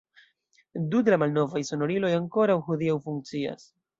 Du de la malnovaj sonoriloj ankoraŭ hodiaŭ funkcias.